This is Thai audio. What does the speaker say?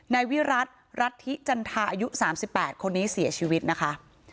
นายวิรัติรัฐธิจันทาอายุ๓๘คนนี้เสียชีวิตนะคะ